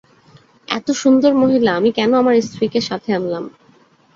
এত সুন্দর মহিলা, আমি কেন আমার স্ত্রীকে সাথে আনলাম?